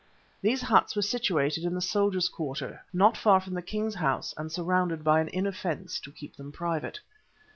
These huts were situated in the Soldiers' Quarter, not far from the king's house and surrounded by an inner fence to keep them private.